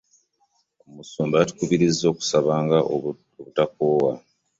Omusumba yatukubirizza okusabanga obutakoowa.